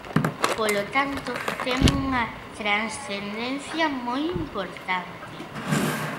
Polo tanto, ten unha transcendencia moi importante.